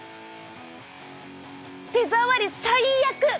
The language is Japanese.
手触り最悪！